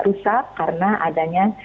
rusak karena adanya